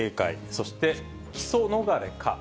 そして起訴逃れか。